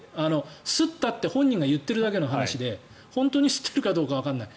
すったって本人が言っているだけの話で本当にすっているかどうかわからない。